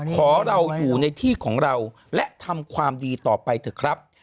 ขอเราอยู่ในที่ของเราและทำความดีต่อไปเถอะครับ